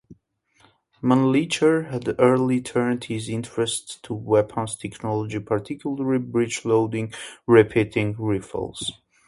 Mannlicher had early turned his interest to weapons technology, particularly breech-loading repeating rifles.